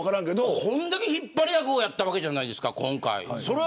これだけ引っ張りだこやったわけじゃないですか、今回。